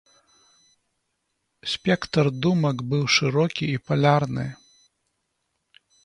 Спектр думак быў шырокі і палярны.